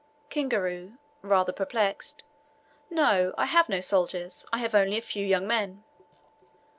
Kingaru (rather perplexed). "No; I have no soldiers. I have only a few young men."